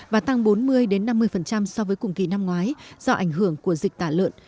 và tăng bốn mươi năm mươi so với cùng kỳ năm ngoái do ảnh hưởng của dịch tả lợn